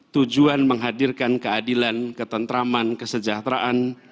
tujuan menghadirkan keadilan ketentraman kesejahteraan